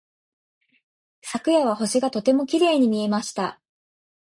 昨夜は星がとてもきれいに見えました。